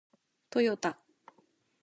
トヨタ